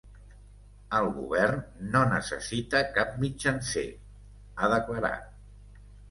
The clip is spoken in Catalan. El govern no necessita cap mitjancer, ha declarat.